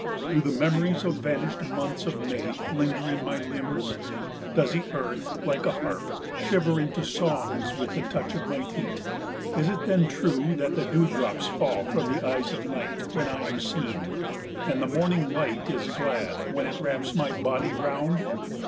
Do the memories of vanished months of May linger in my limbs? Does the earth, like a harp, shiver into songs with the touch of my feet? Is it then true that the dewdrops fall from the eyes of night when I am seen, and the morning light is glad when it wraps my body round?